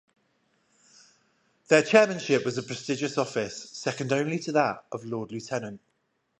The chairmanship was a prestigious office, second only to that of lord lieutenant.